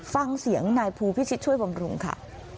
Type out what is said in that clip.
ฟังเสียงนายภูพิชิตช่วยบำรุงค่ะ